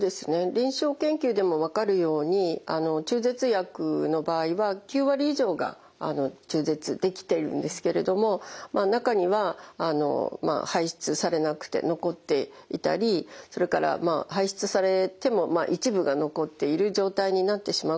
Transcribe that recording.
臨床研究でも分かるように中絶薬の場合は９割以上が中絶できているんですけれども中には排出されなくて残っていたりそれから排出されても一部が残っている状態になってしまうことがあります。